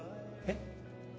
えっ？